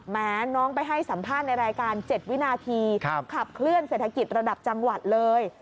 แม้น้องไปให้สัมภาษณ์ในรายการ๗วินาทีขับเคลื่อนเศรษฐกิจระดับจังหวัดเลย